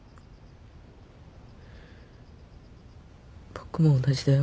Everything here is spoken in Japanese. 僕も同じだよ。